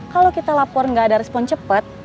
kalau kita lapor gak ada respon cepet